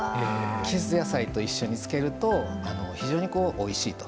季節野菜と一緒につけると非常においしいと。